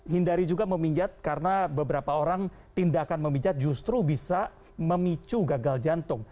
hindari juga meminjat karena beberapa orang tindakan meminjat justru bisa memicu gagal jantung